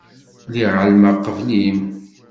Lliɣ ɛelmeɣ qbel-im.